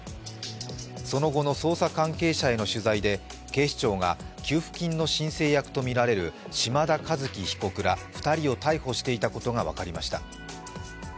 その後の捜査関係者への取材で警視庁が給付金の申請役とみられる島田和樹被告ら２人を逮捕していたことが分かりました。